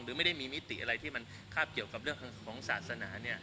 หรือไม่ได้มีมิติอะไรที่มันคาบเกี่ยวกับเรื่องของศาสนา